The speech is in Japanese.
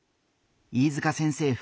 飯塚先生